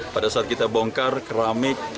pada saat kita bongkar keramik